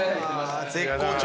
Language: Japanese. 絶好調。